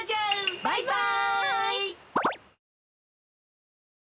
バイバイ！